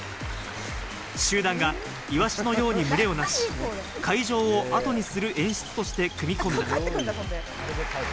集団がイワシのように群れをなし、会場をあとにする演出として組み込む。